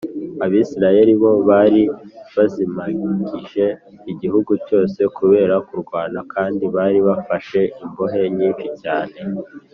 Abasiriya bo bari bazimagije igihugu cyose kubera kurwana kandi bari bafashe imbohe nyinshi cyane